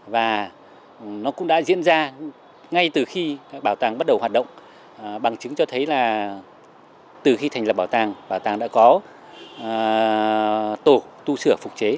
và nó cũng đã diễn ra ngay từ khi bảo tàng bắt đầu hoạt động bằng chứng cho thấy là từ khi thành lập bảo tàng bảo tàng đã có tổ tu sửa phục chế